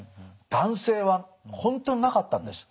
男性は本当になかったんです。